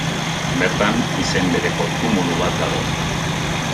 Bertan, izen bereko tumulu bat dago.